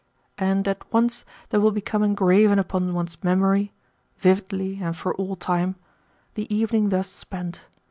And at once there will become engraven upon one's memory vividly, and for all time the evening thus spent.